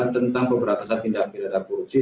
tentang pemberantasan tindak beda atau korupsi